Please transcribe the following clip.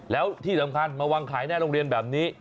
แล้วที่สำคัญมาวางขายหน้าโรงเรียนแบบนี้